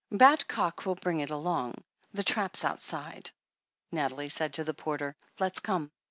"Badcock will bring it along. The trap's outside," Nathalie said to the porter. "Let's come."